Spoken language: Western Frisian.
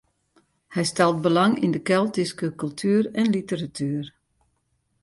Hy stelt belang yn de Keltyske kultuer en literatuer.